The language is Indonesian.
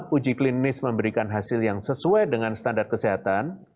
uji klinis memberikan hasil yang sesuai dengan standar kesehatan